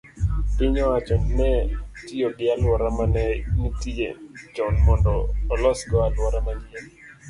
piny owacho ne otiyo gi alwora ma ne nitie chon mondo olosgo alwora manyien.